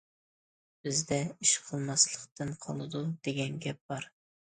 بىزدە‹‹ ئىش قىلماسلىقتىن قالىدۇ›› دېگەن گەپ بار.